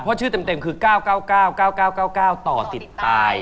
เพราะชื่อเต็มคือ๙๙๙ตอติดตาย